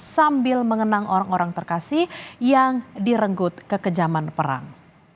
sambil mengenang orang orang terkasih yang direnggut kekejaman perang